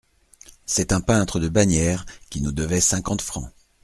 C’est un peintre de Bagnères, qui nous devait cinquante francs.